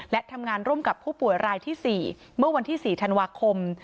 และทำงานร่วมกับผู้ป่วยรายที่๔เมื่อวันที่๔ธันวาคม